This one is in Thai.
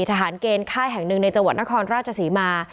ทหารเกณฑ์ค่ายแห่งหนึ่งในจังหวัดนครราชศรีมา